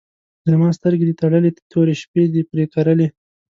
زما سترګې دي تړلي، تورې شپې دي پر کرلي